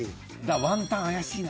ワンタン怪しいな。